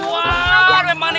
putus banget nih